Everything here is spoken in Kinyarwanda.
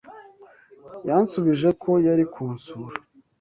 Yansubije ko yari kunsura.